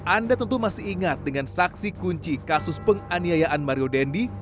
anda tentu masih ingat dengan saksi kunci kasus penganiayaan mario dendi